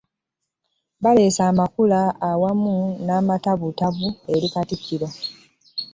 Baleese amakula awamu n'amantambuntambu eri Katikkiro.